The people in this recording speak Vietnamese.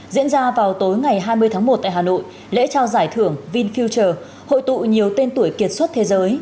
diễn ra vào tối ngày hai mươi tháng một tại hà nội lễ trao giải thưởng vinfeuter hội tụ nhiều tên tuổi kiệt xuất thế giới